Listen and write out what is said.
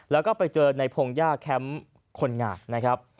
แล้วก็ไปเจอในพงหญ้าแคมป์คนงานนะครับ